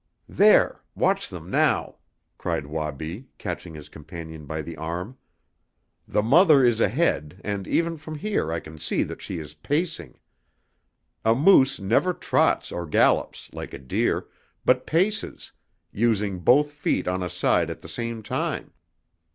"There; watch them now!" cried Wabi, catching his companion by the arm. "The mother is ahead, and even from here I can see that she is pacing. A moose never trots or gallops, like a deer, but paces, using both feet on a side at the same time.